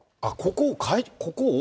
ここを。